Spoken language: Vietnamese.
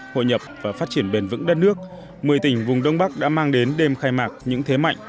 hội nhập và phát triển bền vững đất nước một mươi tỉnh vùng đông bắc đã mang đến đêm khai mạc những thế mạnh